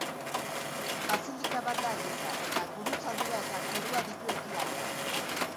Basilika bat da eliza, eta gurutzadura eta korua ditu ekialdean.